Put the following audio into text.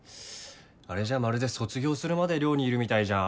あれじゃまるで卒業するまで寮にいるみたいじゃん。